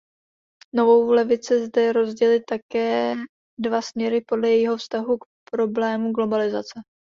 Novou levice lze rozdělit také na dva směry podle jejího vztahu k problému globalizace.